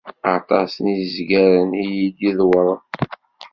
Aṭas n yizgaren i iyi-d-idewwren.